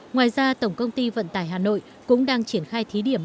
ngoài ra tổng công ty vận tải hà nội cũng đang triển khai thí điểm